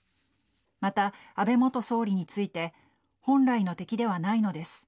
また、安倍元総理について本来の敵ではないのです。